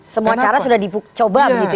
semua cara sudah dicoba begitu